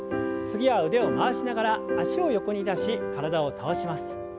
次は腕を回しながら脚を横に出し体を倒します。